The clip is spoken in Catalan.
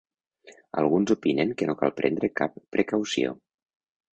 Alguns opinen que no cal prendre cap precaució.